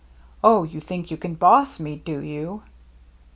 " Oh, you think you can boss me, do you